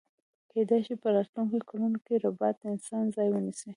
کیدای شی په راتلونکي کلونو کی ربات د انسان ځای ونیسي